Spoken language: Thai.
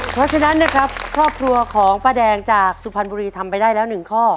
เพราะฉะนั้นนะครับครอบครัวของป้าแดงจากสุพรรณบุรีทำไปได้แล้ว๑ข้อ